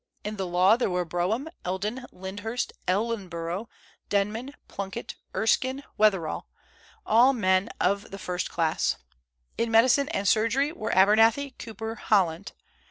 In the law there were Brougham, Eldon, Lyndhurst, Ellenborough, Denman, Plunkett, Erskine, Wetherell, all men of the first class. In medicine and surgery were Abernethy, Cooper, Holland.